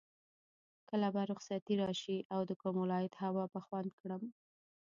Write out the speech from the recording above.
کله به رخصتي راشي او د کوم ولایت هوا به خوند کړم.